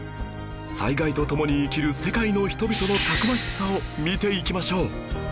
災害と共に生きる世界の人々のたくましさを見ていきましょう